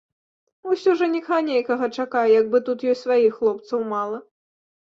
Усё жаніха нейкага чакае, як бы тут ёй сваіх хлопцаў мала.